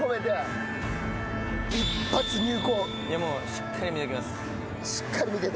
しっかり見ときます。